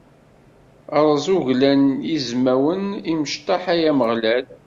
Rreẓ uglan n yizmawen imecṭaḥ, ay Ameɣlal!